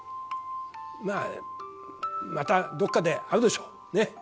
まあ、またどっかで会うでしょう。